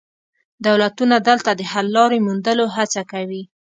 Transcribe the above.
دولتونه دلته د حل لارې موندلو هڅه کوي